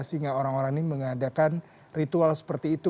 sehingga orang orang ini mengadakan ritual seperti itu